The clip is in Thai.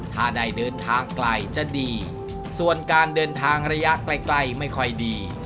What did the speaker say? ถ้าได้เดินทางไกลจะดีส่วนการเดินทางระยะใกล้ไม่ค่อยดี